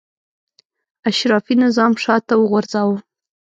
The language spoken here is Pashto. اشرافي نظام شاته وغورځاوه.